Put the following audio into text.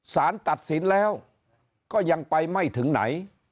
สารตัดสินแล้วก็ยังไปไม่ถึงไหน